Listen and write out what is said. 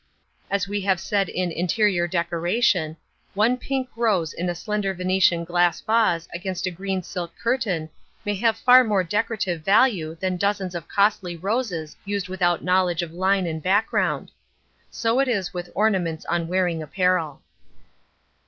As we have said in Interior Decoration, one pink rose in a slender Venetian glass vase against a green silk curtain may have far more decorative value than dozens of costly roses used without knowledge of line and background. So it is with ornaments on wearing apparel.